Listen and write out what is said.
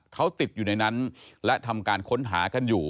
เขาติดอยู่ในนั้นและทำการค้นหากันอยู่